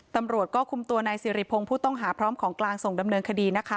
ตำรวจก็คุมตัวนายสิริพงศ์ผู้ต้องหาพร้อมของกลางส่งดำเนินคดีนะคะ